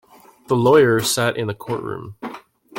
The lawyer sat in the courtroom.